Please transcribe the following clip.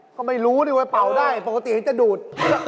เขาไม่รู้เลยว่าเป่าได้ปกติให้จะดูด